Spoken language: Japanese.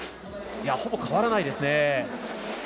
ほぼ変わらないですね。